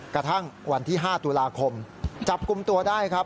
กระทั่งวันที่๕ตุลาคมจับกลุ่มตัวได้ครับ